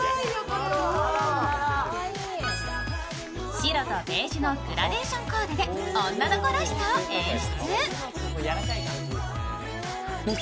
白とベージュのグラデーションコーデで女の子らしさを演出。